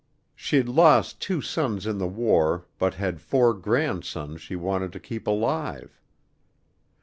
She'd lost two sons in the war but had four grandsons she wanted to keep alive.